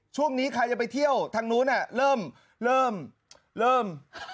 ช่วงนี้ใครจะไปเที่ยวทางโน้นน่ะเริ่มเริ่มเริ่ม